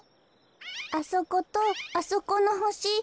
あそことあそこのほし。